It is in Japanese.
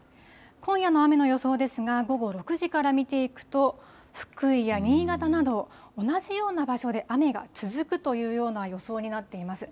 今夜の雨の予想ですが、午後６時から見ていくと、福井や新潟など、同じような場所で雨が続くというような予想になっています。